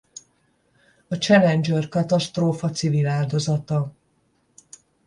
A Challenger-katasztrófa civil áldozata.